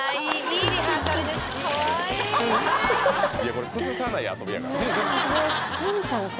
これ崩さない遊びやからね